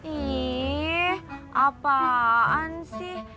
ih apaan sih